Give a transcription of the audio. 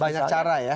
banyak cara ya